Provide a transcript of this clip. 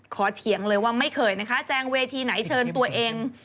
เถียงเลยว่าไม่เคยนะคะแจงเวทีไหนเชิญตัวเอง